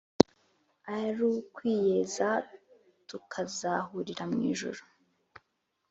aru kwiyeza tukazahurira mwijuru.